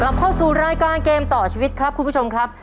เข้าสู่รายการเกมต่อชีวิตครับคุณผู้ชมครับ